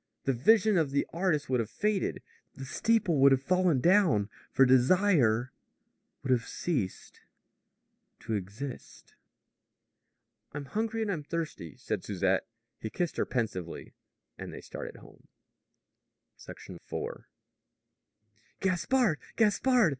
The vision of the artist would have faded. The steeple would have fallen down. For desire would have ceased to exist. "I'm hungry and I'm thirsty," said Susette. He kissed her pensively. They started home. IV. "Gaspard! Gaspard!"